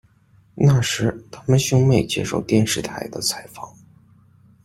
那时，他们兄妹接受电视台的采访。